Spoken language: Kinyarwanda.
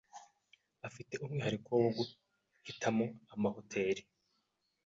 Afite umwihariko wo guhitamo amahoteri.